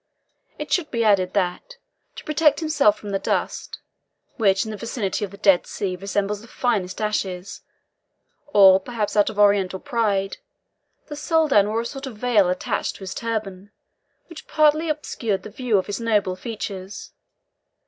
It should be added that, to protect himself from the dust, which in the vicinity of the Dead Sea resembles the finest ashes, or, perhaps, out of Oriental pride, the Soldan wore a sort of veil attached to his turban, which partly obscured the view of his noble features.